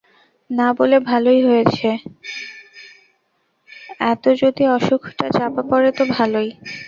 না বলে ভালোই হয়েছে, এত যদি অসুখটা চাপা পড়ে তো ভালোই।